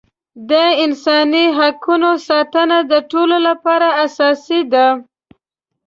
د انساني حقونو ساتنه د ټولو لپاره اساسي ده.